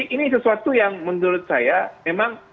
ini sesuatu yang menurut saya memang